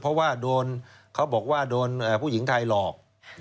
เพราะว่าโดนเขาบอกว่าโดนผู้หญิงไทยหลอก